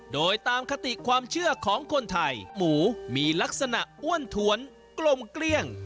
โดยตามคติความเชื่อของคนไทยหมูมีลักษณะอ้วนถวนกลมเกลี้ยง